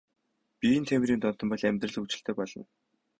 Биеийн тамирын донтон бол бол амьдрал хөгжилтэй болно.